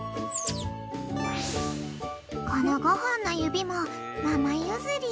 ［この５本の指もママ譲り］